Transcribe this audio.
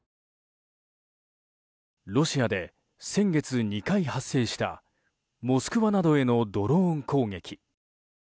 ロシアで先月２回発生したモスクワなどへのドローン攻撃。